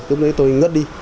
lúc đấy tôi ngất đi